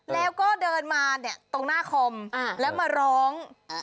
แล้วก็เดินมาเนี่ยตรงหน้าคอมแล้วมาร้อง